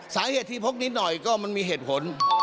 สาเหตุที่พกนิดหน่อยก็มันมีเหตุผล